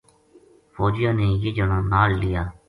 فوجیاں نے یہ جنا نال لیا